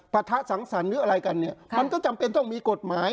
ปะทะสังสรรค์หรืออะไรกันเนี่ยมันก็จำเป็นต้องมีกฎหมาย